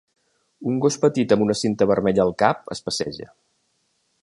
Un gos petit amb una cinta vermella al cap es passeja.